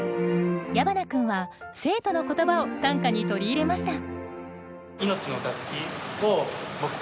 矢花君は生徒の言葉を短歌に取り入れました。